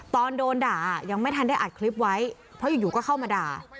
ตอนโดนด่ายังไม่ทันได้อัดคลิปไว้เพราะอยู่ก็เข้ามาด่า